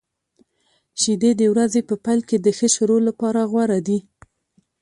شیدې د ورځې په پیل کې د ښه شروع لپاره غوره دي.